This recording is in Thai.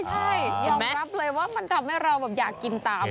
ใช่ยอมรับเลยว่ามันทำให้เราอยากกินตาม